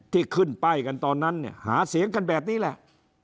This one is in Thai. ที่ขึ้นป้ายกันตอนนั้นเนี่ยหาเสียงกันแบบนี้แหละ